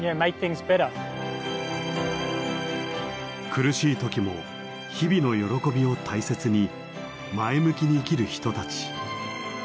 苦しい時も日々の喜びを大切に前向きに生きる人たち。